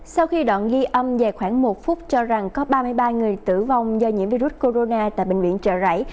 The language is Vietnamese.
sau khi đoạn ghi âm dài khoảng một phút cho rằng có ba mươi ba người tử vong do nhiễm virus corona tại bệnh viện trợ rẫy